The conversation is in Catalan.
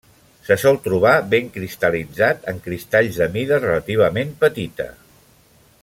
Se sol trobar ben cristal·litzat en cristalls de mida relativament petita.